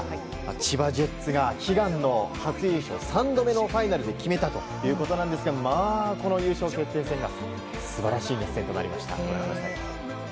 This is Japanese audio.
千葉ジェッツが悲願の初優勝を３度目のファイナルで決めたということなんですがこの優勝決定戦が素晴らしい熱戦となりました。